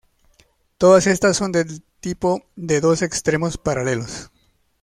Todas estas son del tipo de dos extremos paralelos.